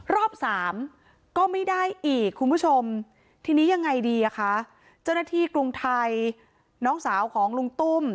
รอบสามก็ไม่ได้อีกคุณผู้ชมทีนี้ยังไงดีอ่ะคะเจ้าหน้าที่กรุงไทยน้องสาวของลุงตุ้ม